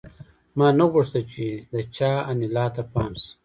ما نه غوښتل چې د چا انیلا ته پام شي